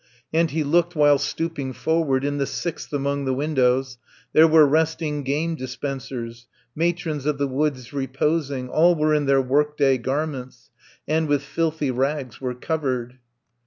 And he looked while stooping forward, In the sixth among the windows. 100 There were resting game dispensers, Matrons of the woods reposing, All were in their work day garments, And with filthy rags were covered.